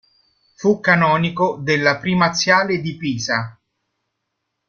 Fu canonico della primaziale di Pisa.